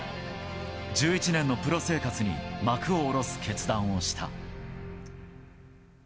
１１年のプロ生活に幕を下ろす決断をした。